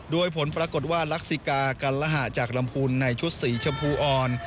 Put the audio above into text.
โดยผลปรากฏว่าลักษิกากันละหะจากลำพูนในชุดสีชมพูอ่อน